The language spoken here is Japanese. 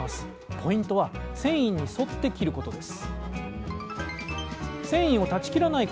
ポイントは繊維に沿って切ることです